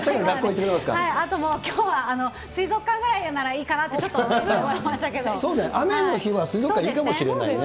あともう、きょうは水族館ぐらいならいいかなって、雨の日は水族館いいかもしれないね。